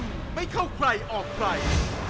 ไม่เข้าใครออกใคร